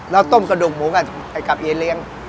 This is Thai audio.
เราต้มกระดูกหมูกับไอเลี้ยง